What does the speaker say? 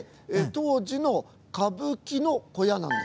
当時の歌舞伎の小屋なんです。